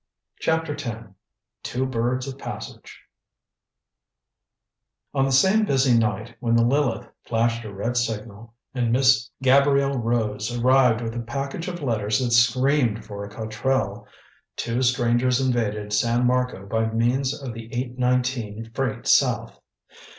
CHAPTER X TWO BIRDS OF PASSAGE On the same busy night when the Lileth flashed her red signal and Miss Gabrielle Rose arrived with a package of letters that screamed for a Cotrell, two strangers invaded San Marco by means of the eight nineteen freight south.